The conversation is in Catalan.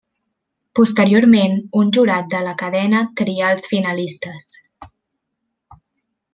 Posteriorment, un jurat de la cadena trià els finalistes.